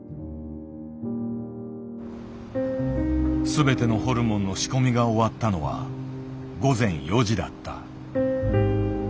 全てのホルモンの仕込みが終わったのは午前４時だった。